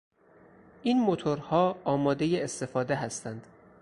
این موتورها آمادهی استفاده هستند.